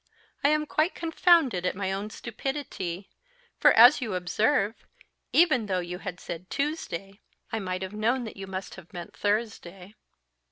I am quite confounded at my own stupidity; for, as you observe, even though you had said Tuesday, I might have known that you must have meant Thursday."